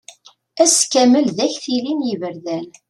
Ass kamel d aktili n yiberdan.